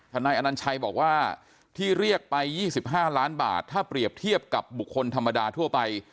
นายอนัญชัยบอกว่าที่เรียกไป๒๕ล้านบาทถ้าเปรียบเทียบกับบุคคลธรรมดาทั่วไป